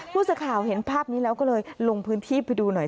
ผู้สื่อข่าวเห็นภาพนี้แล้วก็เลยลงพื้นที่ไปดูหน่อย